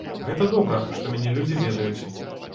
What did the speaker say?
Гэта добра, што мяне людзі ведаюць.